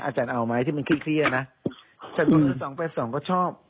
อาจารย์เอาไหมที่มันเครียดนะแต่ตัวเลขสองแปดสองก็ชอบ